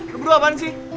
lo berdua apaan sih